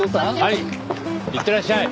はいいってらっしゃい！